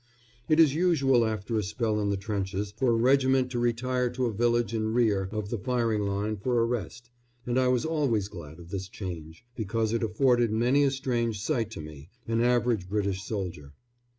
It is usual after a spell in the trenches for a regiment to retire to a village in rear of the firing line for a rest, and I was always glad of this change, because it afforded many a strange sight to me, an average British soldier.